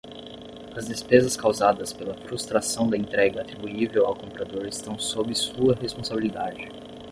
As despesas causadas pela frustração da entrega atribuível ao comprador estão sob sua responsabilidade.